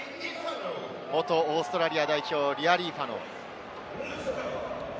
元オーストラリア代表、リアリーファノ。